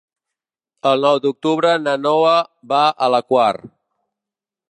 El nou d'octubre na Noa va a la Quar.